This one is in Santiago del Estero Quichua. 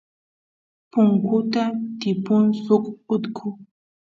punkuta tiypun suk utku